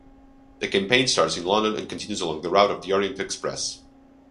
The campaign starts in London and continues along the route of the Orient Express.